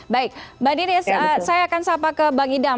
baik mbak denis saya akan sapa ke bang idham